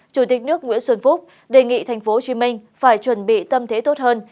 chủ tịch nước nguyễn xuân phúc đề nghị tp hcm phải chuẩn bị tâm thế tốt hơn